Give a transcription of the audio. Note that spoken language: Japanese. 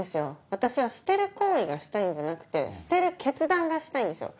私は捨てる行為がしたいんじゃなくて捨てる決断がしたいんですよ。